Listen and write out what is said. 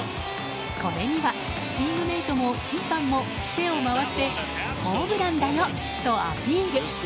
これにはチームメートも審判も手を回してホームランだよ！とアピール。